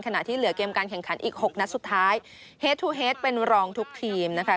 ขณะที่เหลือเกมการแข่งขันอีกหกนัดสุดท้ายเฮดทูเฮดเป็นรองทุกทีมนะคะ